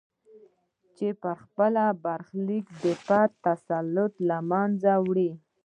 چې پر خپل برخلیک د فرد تسلط له منځه وړي.